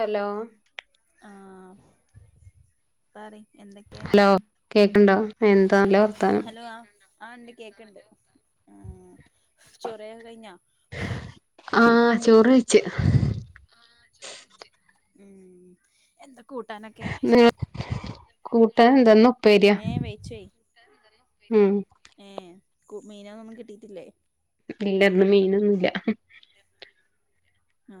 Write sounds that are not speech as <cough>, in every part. Hello ആഹ് പറി എന്തൊക്കെ ഹലോ കേക്കണ്ടോ? എന്താ നല്ല വർത്താനം ഹലോ ആ ആ ഇണ്ട് കേക്കണ്ട് ചൊറ് ഒക്കെ കയിഞ്ഞാ ആ ചോറ് കഴിച്ച് ഉം എന്താ കൂട്ടാനൊക്കെ? ന്ന് കൂട്ടാൻ എന്തെന്ന് ഉപ്പേരിയാ ഏ വെയിച്ചോയി ഉം കു. മീനാന്നൊന്നും കിട്ടിയേട്ടില്ലേ? ഇല്ല. ഇന്ന് മീനൊന്നൂല്ല ആ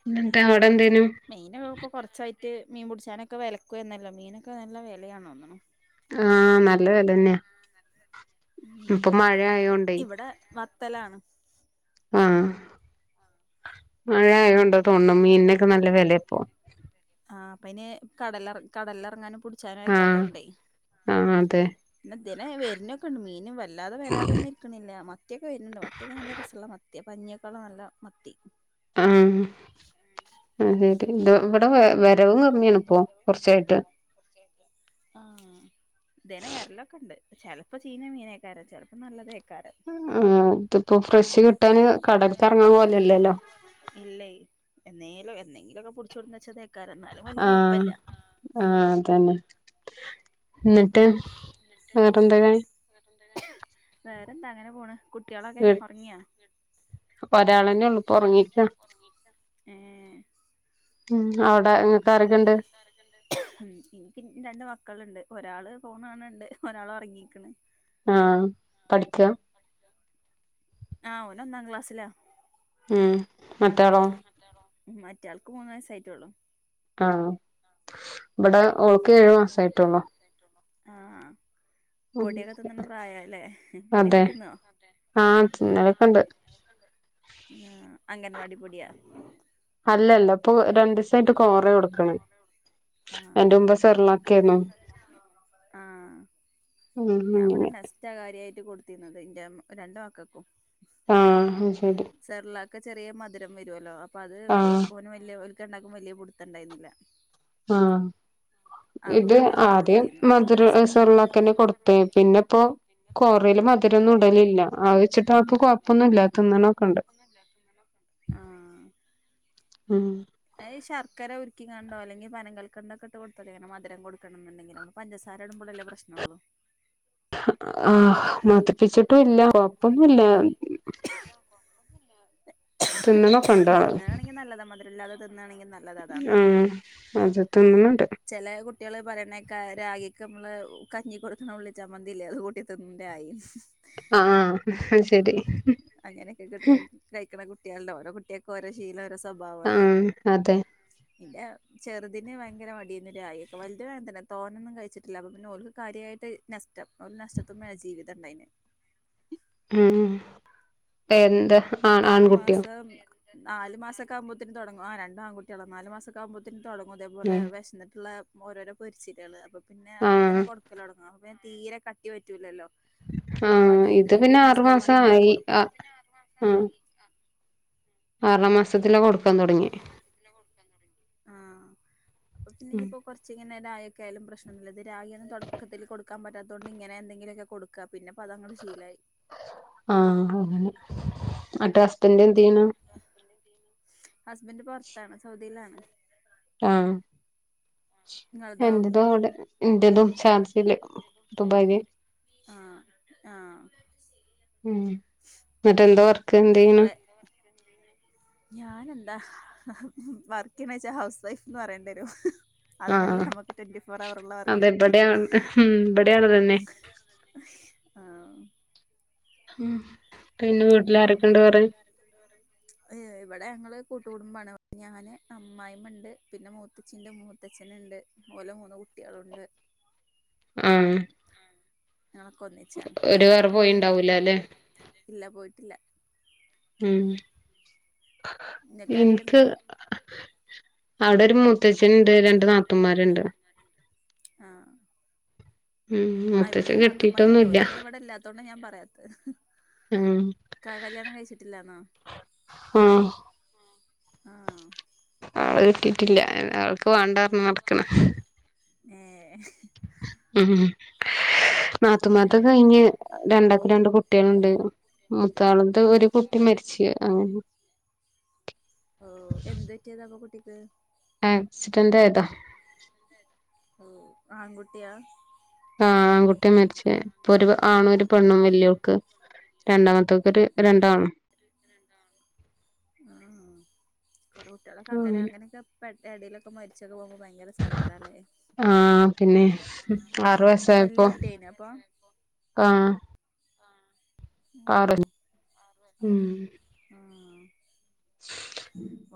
പിന്നെന്താ അവിടെ എന്തേനു ട്ട് മീൻ പുടിച്ചാനൊക്കെ വിലക്കുവായിരുന്നല്ലോ. മീനൊക്കെ നല്ല വിലയാണെന്ന് തോന്നണൂ. ആ നല്ല വില തന്നെയാ ഇപ്പൊ മഴ ആയോണ്ടേ. സ്ഥലാണ്. ആ മഴ ആയതുകൊണ്ടാതോന്നണു മീനിനൊക്കെ നല്ല വിലയാ ഇപ്പോ. ആ അപ്പ അയ്ന് കടലറ കടലിറങ്ങാനും പുടിച്ചാനും ആഹ് അയക്കാത്തോണ്ടേ ആഹ് അതെ പിന്നെ ദിനെ വരനൊക്കേണ്ട് മീൻ വല്ലാതെ വരാതൊന്നു ഇരിക്കണില്ല. മത്തിയൊക്കെ വരനുണ്ട്. മത്തിയൊക്കെ നല്ല രസൊള്ള മ ത്തി പഞ്ഞി ഒക്കെയുള്ള നല്ല മത്തി. ആ ആദ്യയിട്ട് ഇണ്ടോ. ഇവ ടെ വരവും കമ്മിയാണ് ഇപ്പോ. കുറച്ചായിട്ട് ആ ഇതേനെ വരലൊക്കെ ഉണ്ട് ചെലപ്പോ ചീഞ്ഞ മീനേക്കാര ചെലപ്പോ നല്ലതേ ക്കാര ആഹ് ഇതിപ്പോ ഫ്രഷ് കിട്ടാന് കടൽക്ക് എറങ്ങാൻ പോലല്ലല്ലോ ഇല്ലയ്. നേ എന്നെങ്ങിലൊക്കെ പുടിച്ചുകൊൺന്നുവച്ചതേ ആ ആ അതന്നെ എന്നിട്ട് വേറെ എന്തെനെ. വേറെന്താ അങ്ങനെ പോണ് കുട്ടികളൊക്കെ ഉറങ്ങിയാ അപ്പെ ഒരാളന്നെ ഉള്ളൂ. ഇപ്പൊ ഉറങ്ങിരിക്ക ഏ ഉം അ എനിയ്ക്ക് രണ്ട് മക്കളുണ്ട്. ഒരാള് ഫോണ് കാണണ്ട് ഒരാള് ഉറങ്ങിയേക്കണ്. ആ പഠിക്ക ആ ഓന് ഒന്നാം ക്ലാസ്സിലാ ഉം മറ്റാളോ മറ്റേയാൾക്ക് മൂന്ന് വയസ്സായിട്ടെള്ളൂ ആം ഇവിടെ ഓൾക്ക് ഏഴു മാസായിട്ടൊള്ളൂ ആ പൊടിയൊക്കെ തിന്നണ്ട പ്രായാലേ പൊടിയൊക്കെ തിന്ന്വോ ആ തിന്നലൊക്കണ്ട് ആ അംഗൻവാടി പൊടിയാ അല്ലല്ല ഇപ്പൊ രണ്ടു ദിവസായിട്ട് കോറ യാ കൊടുക്കണേ ആഹ് അയിന്റെ മുമ്പെ സെറിലാക്കേനു ആഹ് മ് അങ്ങനെ വരെയായിട്ട് കൊടുത്തിരുന്നത് ഇന്റെ രണ്ട് മക്കക്കും ആ ശരി ഒക്കെ ചെറിയ മധുരം വരുവല്ലോ അപ്പൊ അത് പ്പഴും ആഹ് ഓന് വല്ല്യ ഓൽക്ക് രണ്ടാക്കും വല്ല്യ പിടുത്തുണ്ടായിരുന്നില്ല ആ ഇത് പിന്നെ ഇതാ ആദ്യം കൊടുത്തിരുന്നു മധുര നെസ്റ്റ സെറിലാക്കെന്നെ കൊടുത്തെ പിന്നെപ്പോ കൊറേല് മധുരോന്നും ഇടലില്ല ആവെച്ചിട്ട് അവക്ക് കൊഴപ്പൊന്നും ഇല്ലാ തിന്നണൊക്കെണ്ട് ഉം ഏയ് ശർക്കര ഉരുക്കികാണ്ടോ അല്ലെങ്കി പനം കൽക്കണ്ടൊക്കെട്ട് കൊ <unintelligible> മധുരം കൊടുക്കണന്നുണ്ടെങ്കിൽ നമ്മള് പഞ്ചസാര ഇടുമ്പളല്ലേ പ്രശ്നോള്ളു ആഹ് മതിപ്പിച്ചിട്ടും ഇല്ല കൊഴപ്പൊന്നുല്ല തിന്നണക്കൊണ്ടോ തിന്നാണെങ്കിൽ നല്ലതാ മധുരല്ലാതെ തിന്നാണെങ്കിൽ നല്ലത് ആ അത് തന്നെ ചെല കുട്ടികള് പറയണേക്ക രാഗേക്കും മ്മള് കഞ്ഞി കൊടുക്കണ ഉള്ളിചമ്മന്തില്ലേ അത് കൂട്ടിത്തിൻണ്ടായി ആ ശരി കുട്ടികൾടെ ഓരോ കുട്ടികക്കും ഓരോ ശീലം ഓരോ സ് ആ അതെ ഇന്റെ ചെറുതിന് ഭയങ്കര മ പിന്നെ രായേക്കുംവൽത് വേണ്ടല്ലോ തോനൊന്നും കഴിച്ചിട്ടില്ല അപ്പ പിന്നെ ഓൽക്ക് കാര്യായിട്ട് നസ്ടം ഓല് നസ്ടത്ത്ന്ന്ന്നെ ജീ ജീവിതം ഉണ്ടായിന് ഉം എന്ത് ആറു മാസം നാല് മാസം ഒക്കെ ആവുമ്പത്തേന് തൊടങ്ങും ആ രണ്ടും ആൺകുട്ടികള നാല് മാസം ഒക്കെ ആവുമ്പത്തേന് തൊടങ്ങും ഇതേപോലെ ഉം വിശന്നിട്ടുള്ള ഓരോരോ പൊരിച്ചിലുകള് അപ്പൊ പിന്നെ അപ്പൊ ആഹ് തന്നെ കൊടുക്കല് തൊടങ്ങും വൻ തീരെ കട്ടി പറ്റൂല്ലല്ലോ അപ്പൊ ആഹ് അത് ഇത് എരുതിട്ട് പിന്നെ ആറു നസ്ടം മാസം വാങ്ങി അങ്ങനെ ആയി കൊടുക്കും ആ ആറാംമാസത്തില കൊടുക്കാൻ തൊടങ്ങിയെ ആഹ് അപ്പൊ പിന്നെ ഇനിയിപ്പോ കൊറച്ചിങ്ങനെ രായെക്കൊയാലും പ്രശ്നോന്നില്ല ത് രാഗി ഒന്നുംത തൊടക്കത്തിൽ കൊടുക്കാൻ പറ്റാ അതൊണ്ട് ഇങ്ങനെ എന്തെങ്കിലുമൊക്കെ കൊടുക്ക പിന്നെ അപ്പ അങ്ങട്ട് ശീലായി ആ അങ്ങനെ ആട്ടെ ഹസ്ബൻറ് എന്തെയ്യണു ഹസ്ബെന്റ് പൊറത്താണ് സൗദിയിലാണ് ആ നിങ്ങളതോ എന്റതും അവിടെ എന്റതും ചാൻസില് ദുബായില് ആഹ് ആഹ് മ് മറ്റേന്തോർ അതെ ഞാൻ എന്താ വർക്കെയ്യണേച്ചാ ഹൗസ് വൈഫ്ന്ന് പറേണ്ടിവരും ആ ആ വർക്ക് അതെവടെയാ ഉം ഇവിടെയത് തന്നെ ആഹ് മ് പിന്നെ വീട്ടിലാര് ഇവിടെ ങ്ങള് കു ട്ടുകുടുംബമാണ് ഞാന് അമ്മായിമ്മണ്ട് പിന്നെ മൂത്തച്ഛിന്റെ മൂത്തച്ഛനുണ്ട് ഓലെ മൂന്ന്കുട്ടിയ തുണ്ട് ആഹ ഞങ്ങളൊക്കെ ഒന്നിച്ചാണ് നിങ്ങക്കാരൊക്കെ ഇണ്ട് പോയിണ്ടാവൂല ല്ലേ ഇല്ല പോയിട്ടില്ല ഉം ഇങ്ങക്കാരൊക്കെ ഇണ്ട് ഇൻക്ക് അവിടെ ഒരു മൂത്തച്ഛന്ണ്ട് രണ്ട് നാത്തൂന്മാരുണ്ട് ഉം ആഹ ഇവിടെ മൂത്തച്ഛൻ നാത്തൂന്മാരുണ്ട് കെട്ടിട്ടൊന്നുല്ല ഓല് പിന്നെ ഇവിടെ ഇല്ലാത്തോണ്ട ഞാൻ പറ പത്ത് ഉം ക കല്യാണം കഴിച്ചിട്ടില്ലന്നോ ആഹ <unintelligible> കിട്ടിട്ടില്ല അവൾക്ക് വാണ്ട പറഞ്ഞ നടക്കണേ ഏ ഉം നാത്തുമാരത്തൊക്കെ കഴിഞ്ഞ് രണ്ടാക്കും രണ്ട് കുട്ടികളുണ്ട് മൂത്തോളത് ഒരു കുട്ടി മരിച്ച് അങ്ങനെ ഓ എന്തുപറ്റിയതാപ്പോ കുട്ടിക്ക് ആക്സിഡന്റായതാ ഓ ആൺകുട്ടിയ ആ ആൺകുട്ടിയ മരിച്ചേ ഇപ്പൊ ഒരു ആണ ആണും ഒരു പെണ്ണും പെണ്ണും വെലിയോക്ക് രണ്ടാമത്തോൽക്ക് രണ്ടാണ് ആ കൊറേ കുട്ടികളൊക്കെ അങ്ങനെ അങ്ങനെയൊക്കെ എടയിലൊക്കെ മരിച്ചൊക്കെ പോകു ഭയങ്കര സങ്കടല്ലേ ഹ് മ് ആറു വയസ്സായപ്പോ അപ്പൊ ആ ഓഹ് ആഹ് ഉം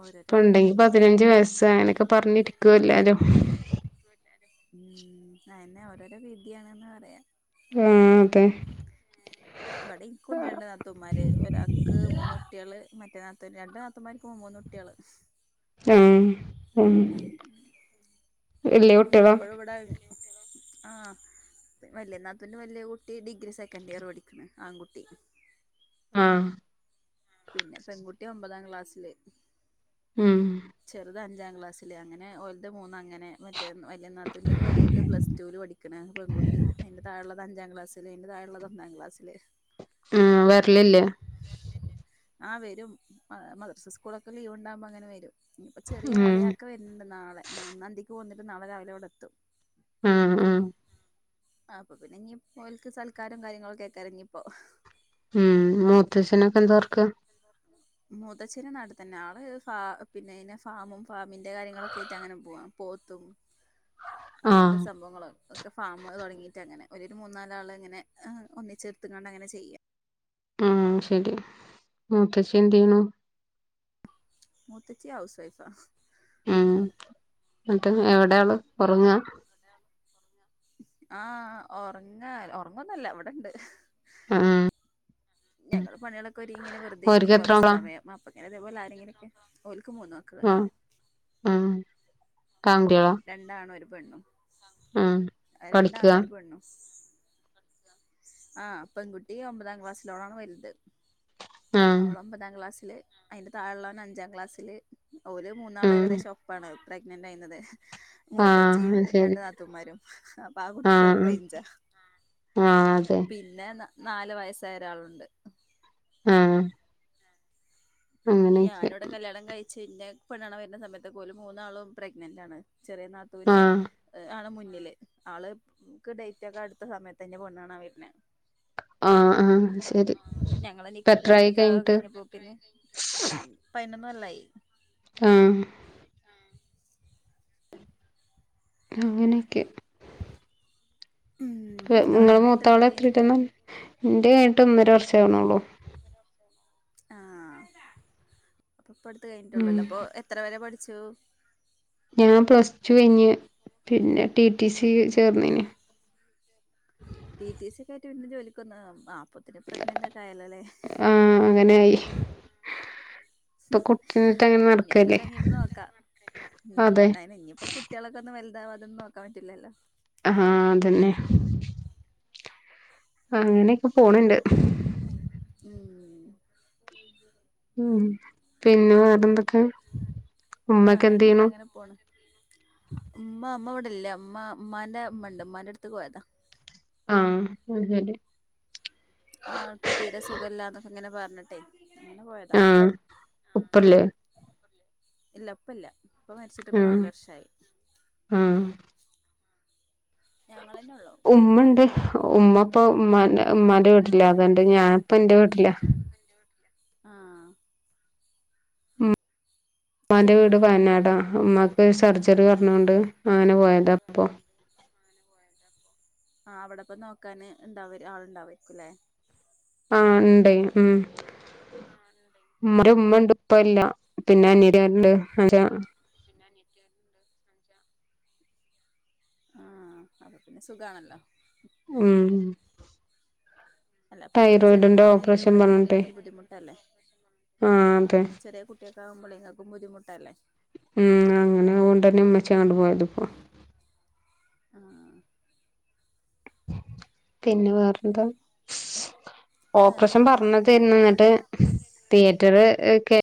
ഓരോരോ വിധി ഇപ്പണ്ടെങ്കി പതിനഞ്ച് വയസ്സ് അങ്ങനൊക്കെ പറഞ്ഞിരിക്കു എല്ലാരും ഉം അനെ ഓരോരോ വീതി ആണ്ന്ന് പറയാ ഹേ അതെ ഇബടെ ഇനിക്കുണ്ട് രണ്ട് നാത്തു ന്മാമാര് ഒരാക്ക് മൂന് കുട്ടിയാള് മറ്റേ നാത്തൂന് രണ്ടു നാത്തന്മാർക്കും മൂന്നു കുട്ടികള് മ്മ് വല്യ കുട്ടിആ ളാ ആ വല്യ നാത്തൂൻ്റെ വല്യ കുട്ടി ഡിഗ്രി സെക്കൻഡിയറ്പഠിക്കുന്നു ആൺകുട്ടി ആ പിന്നെ പെൺകുട്ടി ഒമ്പതാം ക്ലാസ്സില് ഉം അത് അഞ്ചാം ക്ലാസില് അങ്ങനെ ഓലത് മൂന്ന അങ്ങന മറ്റേ വലിയ നാത്തൂൻ്റെത് വലുത് പ്ലസ് ടുവിൽ പഠിക്കണെ പെൺകുട്ടി അതിൻ്റെ താഴെ ഉള്ളത് അഞ്ചാം ക്ലാസിൽ അതിൻ്റെ താഴുള്ളത് ഒന്നാം ക്ലാസിൽ ആ വെരലില്ലേ ആ വരും മദ്രസും സ്കൂളൊക്കെ ലീവ് ഉണ്ടാവുമ്പോ അങ്ങനെ വരും പ്പൊ ചെറിയ ഉം അളിയാക്ക വരുന്നുണ്ട് നാളെ ന്ന് അന്തിക്ക് പോന്നിട്ട് നാളെ രാവിലെ ഇവിടെത്തും ആ ആ ആ അപ്പൊ പിന്നെ ഓൽക്ക് സൽക്കാരം കാര്യങ്ങളൊക്കെ ആക്കരം ഇഞ്ഞിപ്പോ ഉം മൂത്തച്ഛനൊക്കെ എന്താ വർക്ക് മൂത്തച്ഛന് നാട്ടിതന്നെ ആള് ഫ പിന്നെ ഫാമും ഫാമിന്റെ കാര്യങ്ങളൊക്കെ ആയിട്ട് അങ്ങനെ പോവണ് പോത്തും അങ്ങനത്തെ ആഹ് സംഭവങ്ങളുംക്കെ ഫാമ് തുടങ്ങിയിട്ട് അങ്ങനെ ഒരു മൂന്നനാലാള് ഇങ്ങനെ ഒന്നിച്ചെടുത്ത്ങ്ങാണ്ട് അങ്ങനെ ചെയ്യാം ആ ശരി മൂത്തച്ചി എന്ത് ചെയ്യന്നു മൂത്തച്ചി ഹൗസ് വൈഫ് ആ ഉം ന്നിട്ട് എവിടെ ആള് ഉറങ്ങാ ആഹ ഉറങ്ങാ ഉറങ്ങൊന്നെല്ല ഇവിടെണ്ട് ഉം ഞങ്ങള പണികള് ക്കൊരിങ്ങി ഇങ്ങനെ വെറുതെ ഓര്ക്ക് എത്ര ഇരിക്കുംകൊറച്ച് ആളാ സമയം അപ്പൊ ഇങ്ങനെ ഇതേപോലെആ രെങ്കിലും ഒക്കെ ഓല്ക്കും മൂന്ന് മക്കള് ആഹ <unintelligible> രണ്ടാണും ഒരു പെണ്ണും ഉം പഠിക്കുക രണ്ടാണും ഒരു പെണ്ണും ആ പെൺകുട്ടി ഒമ്പതാം ക്ലാസ്സിലാ ഓളാണ് വലുത് ഉം അവള് ഒമ്പതാം ക്ലാസ്സില് അയിന്റെ താഴെള്ളാഓന് അഞ്ചാം ക്ലാസ്സില് ഒരു മൂന്നാള് ഉം ഏകദേശം ഒപ്പാണ് പ്രെഗ്നന്റ് ആയിന്നത് ആഹ് മൂത്തച്ചിം അത് രണ്ടു ശരി നാത്തന്മാരും അപ്പൊ ആ കുട്ടികൾ ഒരു റൈജ ആ അതെ നല് വയസായരാളുണ്ട് ആഹ അങ്ങനെയൊക്കെ ചിന്നെ പെണ്ണ് കാണാൻ വരുന്ന സമയത്തക്കെ ഓല് മൂന്നാളും പ്രഗ്നന്റ് ആണ് ചെറിയ നാത്തുവിനെ ആഹ് ആണ് മുന്ന മുന്നില് ആള് ക്ക് ഡേറ്റ്ക്കെ അടുത്ത സമയത്ത് ആണ് ഇന്നേ പെണ്ണ് കാണാൻ വര്ന്നേ ആ ആ ഞങ്ങളെ നി ശരിഇപ്പൊ എത്രായി നിക്കാഹ് കഴിഞ്ഞിട്ട് പതിന്നൊന്ന് കൊല്ലായി ആ അങ്ങനെയൊക്കെ ഉം ഇങ്ങളെ നിങ്ങള് കല്യാണം കഴിഞ്ഞിട്ട് മൂത്തആള് എത്രായി എത്രടയിലാന്ന പറഞ്ഞെ എന്റെ കഴിഞ്ഞിട്ട് ഒന്നര വർഷ ആവണള്ളൂ ആഹ അപ്പ ഇപ്പ അടുത്ത ഉം കഴിഞ്ഞിട്ടുള്ളല്ലോ അപ്പൊ എത്ര വരെ പഠി ച്ചോ ഞാൻ പ്ലസ് ടു കഴഞ്ഞ് പിന്നെ ടി ടി സി ചേർന്നേന് ടി ടി സ ഒക്കെ ആയിട്ട് പിന്നെ ജോലിക്ക അപ്പൊത്തിന് പ്രഗ്നന്റ് ഒക്കെ ആയാലോല്ലേ ആഹ് അങ്ങനെയായി ഇപ്പൊ കുട്ടിനെട്ട് ഇ ങ്ങന ഇഞ്ഞ്അതൊക്കെ കഴിഞ്ഞിട്ട് നോക്ക അതെ ഉം അയിന് ഇനിയിപ്പോ കുട്ടികളൊക്കെ ഒന്ന് വലുതാ ഒന്നും നോക്കാൻ പറ്റില്ലല്ലോ ആ അതന്നെ അങ്ങനെയൊക്കെ പോണ് ണ്ട് ഉം ഉ പിന്നെ വേറെന്തൊക്കെ ഉമ്മക്കെ എന്ത് വേറെന്താ ചെയ്യണു അങ്ങനെ പോണ് ഉമ്മ അമ്മവിടെ ഇല്ല ഇമ്മ ഇമ്മാന്റെ ഇമ്മണ്ട് ഇമ്മാന്റെ അടുത്ത്ക്ക് പോയതാ ആഅതെ ആ ആൾക്ക് തീരെ സുഖല്ലാന്നൊക്കെ ഇങ്ങനെ പറഞ്ഞിട്ടെ അങ്ങനെ പോയതാ ആഹ ഉപ്പല്ലേ ഇല്ല ഇപ്പ ഇല്ല ഇപ്പ മരിച്ചിട്ടിപ്പൊ ആഹ് നാലു വർഷായി ആഹ് ഞങ്ങളന്നെ ഉള്ളൂ ഉമ്മ ഇ ണ്ട് ഉമ്മപ്പൊ ഇമ്മ ഇമ്മാന്റെവീട്ടിലാഅതണ്ട് ഞാനപ്പ എന്റെ വീട്ടിലാ ആ ഉം ഇമ്മാന്റെ ചെ വീട് വയനാടാ ഇമ്മാക്ക് ഒരു സർജറി പറഞ്ഞൊണ്ട് അങ്ങനെ പോയതാ ഇ പ്പൊ അങ്ങനെ പോയതാപ്പൊ ആ അവിടെപ്പൊ നോക്കാന് ഇണ്ടാവ ആളുണ്ടാവരിക്കുംല്ലേ ആ ഇണ്ടയ് ഉം ഉമ്മര ഉമ്മ ഇണ്ട് ഇപ്പല്ല പിന്നെ അ <unintelligible> രുണ്ട് അ ആഹ അത പിന്നെ സുഖാണല്ലോ ഉം അല്ല അപ്പൊ നിങ്ങക്ക് ചെറിയ തൈറോയിഡിന്റെ കൂട്ടനായിട്ട് ഓപ്പറേഷൻ ഇവിടൊക്കെ പറഞ്ഞിട്ടെ നിന്നാലും ബുദ്ധിമുട്ടല്ലേ ആഹ് അതെ ചെറിയ കുട്ടിയൊക്കെ ആകുമ്പോളെ നമുക്ക് ബുദ്ധി ഉം അങ്ങനെ അതൊണ്ടന്നെ ഉമ്മച്ചി അങ്ങോട് പോയതിപ്പോ ആ പിന്നെ വേറെന്താ ഓപ്പറേഷൻ വേറെന്താ പറഞ്ഞതായിരുന്നു കൊഴപ്പൊന്നുല്ല അങ്ങനെ എന്നിട്ട് പോണ് തിയേറ്ററ് ക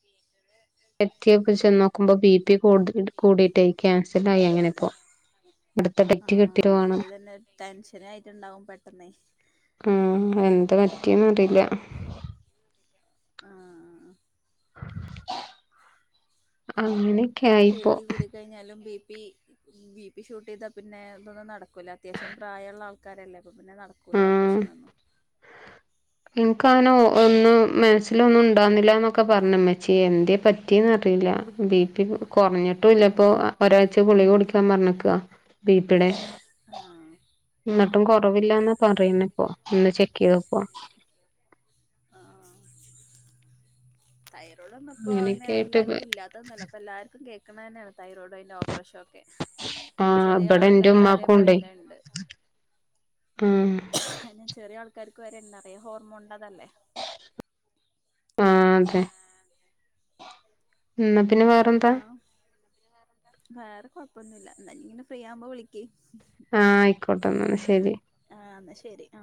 എത്തിയപ്പ ചെന്ന് നോക്കുമ്പോ ബി പി കു കൂടിട്ടായി ക്യാൻസൽ ആയി അങ്ങനെ അപ്പ അടുത്ത <unintelligible> കെട്ടി വേണം ടെൻഷനായിയിട്ടുണ്ടാവും പെട്ടെന്നേ ആ എന്താ പറ്റിയന്നറിയില്ല ആ അങ്ങനെ പേടി കൂടി കഴിഞ്ഞാലും B P B P shoot ചെയ്താ പിന്നെ അതൊന്നും നടക്ക ക്കൂല അത്യാവശ്യം പ്രായമുള്ള ആൾക്കാരല്ലേ അപ്പൊ പിന്നെ നടക്കൂലേ ഉം ഓപ്പറേഷനൊന്നും കാനോ ഒന്നും മനസ്സിലൊന്നും ഉണ്ടാവുന്നില്ല എന്നൊക്കെ പറഞ്ഞമ്മേച്ചി എന്തെ പറ്റിന്നറിയില്ല ബി പി കു കുറഞ്ഞിട്ടുല്ല ഇപ്പൊ ആഹ് ഒരാഴ്ച ഗുളിക കുടിക്കാൻ പറഞ്ഞക്കുവാ ബീപ്പിടെ ആഹ് എന്നിട്ടും കുറ കുറവില്ലന്ന പറയുന്നപ്പോ ഇന്ന് ചെക്ക് ചെയ്തപ്പോ തൈറോടൊന്നുംപ്പോ അങ്ങനെ അങ്ങനെയൊക്കെ ആയിട്ട് എല്ലാർക്കും ഇല്ലാത്തന്നൊല്ല അപ്പോ എല്ലാർക്കും കേൾക്കണന്ന തന്നെയാണ തൈറോയ്ഡ് അയിന്റെ ഓപ്പറേഷൻ ഒക്കെ ആ ചെറിയ ഇവിടെ ആൾക്കാർക്ക് വരെ ഇപ്പ അയിന്റെ ഇണ്ട് ആ പിന്നെ ചെറിയ ആൾക്കാർക്ക് വരെയുണ്ടന്നറിയ ഹോർമോണിൻ്റെതല്ലേ ആ അതെ എന്നാ വേറെന്താ പിന്നെ വേറെന്താ വേറെ കൊഴപ്പൊന്നുല്ല എന്നാല് ഇങ്ങനെ ഫ്രീ ആവുമ്പോ വിളിക്ക് ആ ആയിക്കോട്ടെ എന്നാ ശരി ആ എന്നാ ശരി ആ